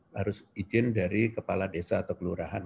harus izin dari kepala desa atau kelurahan